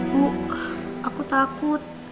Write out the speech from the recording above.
bu aku takut